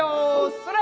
それ！